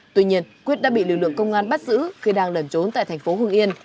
tuy nhiên quyết đã bị lực lượng công an bắt giữ khi đang lẩn trốn tại thành phố hưng yên